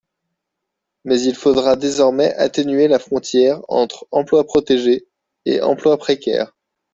Mais il faudrait désormais atténuer la frontière entre emplois protégés et emplois précaires.